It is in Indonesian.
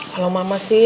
kalau mama sih